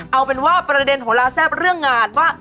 เอาเป็นว่าประเด็นโหลาแซ่บเรื่องงานว่า